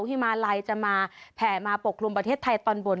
ฮิมาลัยจะมาแผ่มาปกคลุมประเทศไทยตอนบน